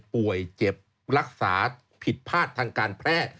เจ็บรักษาผิดพลาดทางการแพทย์